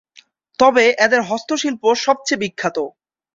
তবে এদের হস্তশিল্প সবচেয়ে বিখ্যাত।